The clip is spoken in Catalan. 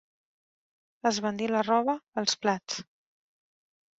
Esbandir la roba, els plats.